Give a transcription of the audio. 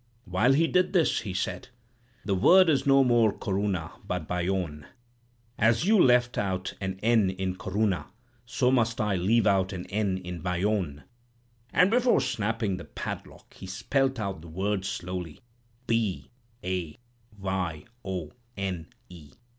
While he did this, he said. "'The word is no more Corunna, but Bayonne. As you left out an "n" in Corunna, so must I leave out an "n" in Bayonne.' And before snapping the padlock, he spelt out the word slowly—'B A Y O N E.'